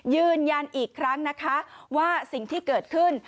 ยืนยันอีกครั้งนะคะว่าสิ่งที่เกิดขึ้น